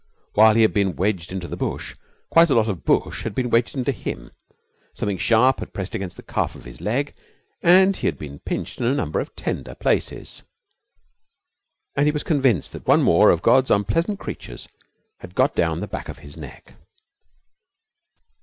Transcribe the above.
While he had been wedged into the bush, quite a lot of the bush had been wedged into him. Something sharp had pressed against the calf of his leg, and he had been pinched in a number of tender places. And he was convinced that one more of God's unpleasant creatures had got down the back of his neck.